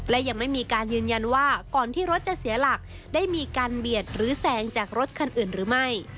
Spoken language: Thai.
และยังไม่มีการยืนยันว่าก่อนที่รถจะเสียหลักได้มีการเบียดหรือแสงจากรถคันอื่นหรือไม่